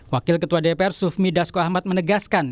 wakil ketua dpr sufmi dasko ahmad menegaskan